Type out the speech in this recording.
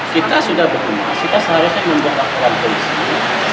kita seharusnya membuat akun ke disini